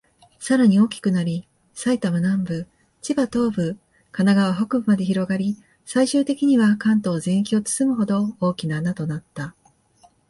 さらに大きくなり、埼玉南部、千葉東部、神奈川北部まで広がり、最終的には関東全域を包むほど、大きな穴となった。